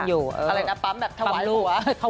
อะไรนะปั๊มแบบถวายหัว